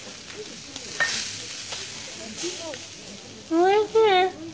おいしい！